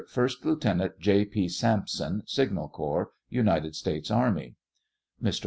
First Lieutenant J. P. Sampson, signal corps, United States army. Mr.